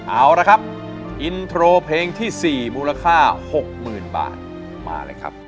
เอาละครับอินโทรเพลงที่๔มูลค่า๖๐๐๐บาทมาเลยครับ